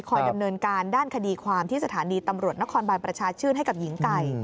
ดำเนินการด้านคดีความที่สถานีตำรวจนครบาลประชาชื่นให้กับหญิงไก่